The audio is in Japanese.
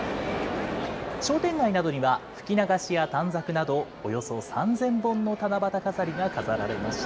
商店街などには吹き流しや短冊など、およそ３０００本の七夕飾りが飾られました。